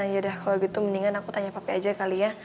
yaudah kalau gitu mendingan aku tanya pape aja kali ya